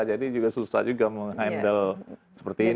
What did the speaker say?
jadi susah juga mengandalkan seperti ini